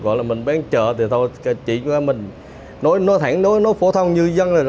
gọi là mình bán trợ thì thôi chỉ cho mình nối thẳng nối phổ thông như dân rồi